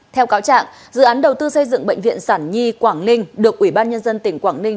theo cáo trạng dự án đầu tư xây dựng bệnh viện sản nhi quảng ninh được ủy ban nhân dân tỉnh quảng ninh